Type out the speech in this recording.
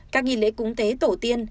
các nghi lễ cúng tế tổ tiên